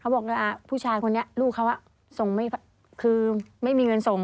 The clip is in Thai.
บอกว่าผู้ชายคนนี้ลูกเขาส่งคือไม่มีเงินส่ง